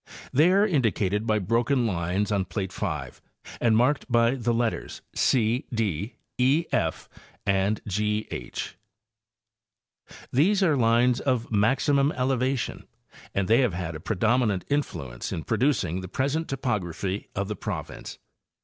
They are indicated by broken lines on plate 5 and marked by the letters C D, KE Fand G H. —_" =e td |; 3 Cincimnati Cape Hatteras Axis. 81 These are lines of maximum elevation and they have had a predominant influence in producing the present topography of . the province.